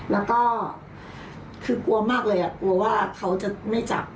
แล้วก็คือกลัวมากเลยกลัวว่าเขาจะไม่จับ